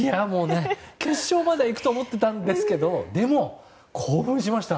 決勝まで行くと思ってたんですけどでも、興奮しました！